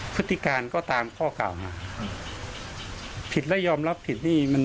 พฤติการก็ตามข้อเก่ามาผิดและยอมรับผิด